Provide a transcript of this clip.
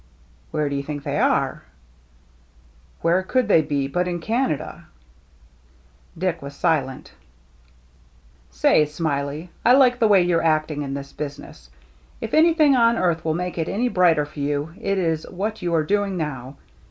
" Where do you think they are ?"" Where could they be but in Canada ?" Dick was silent. " Say, Smiley, I like the way you're acting in this business. If anything on earth will make it any brighter for you, it is what you are doing now.